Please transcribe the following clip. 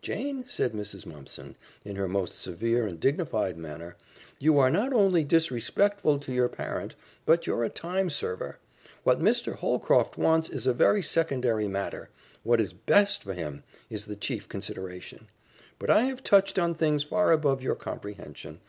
"Jane," said Mrs. Mumpson, in her most severe and dignified manner, "you are not only disrespectful to your parent, but you're a time server. What Mr. Holcroft wants is a very secondary matter; what is BEST for him is the chief consideration. But I have touched on things far above your comprehension.